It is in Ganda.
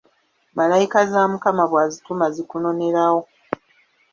Malayika za Mukama bw'azituma zikunonerawo.